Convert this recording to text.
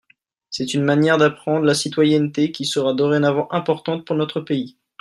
C’est une manière d’apprendre la citoyenneté qui sera dorénavant importante pour notre pays.